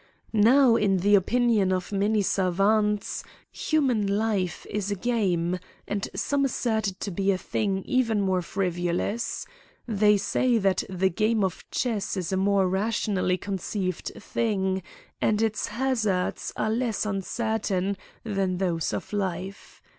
Now in the opinion of many " savants," human life is a game, and some assert it to be a thing even more frivolous. They say that the game of chess is a more rationally conceived thing, and its hazards are less uncertain than those of life.